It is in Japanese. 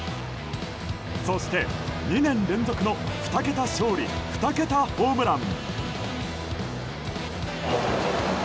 そして、２年連続の２桁勝利２桁ホームラン。